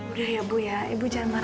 udah ya bu ya ibu jangan marah